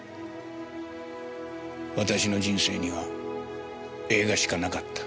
私の人生には映画しかなかった。